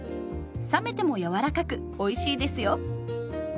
冷めても柔らかくおいしいですよ。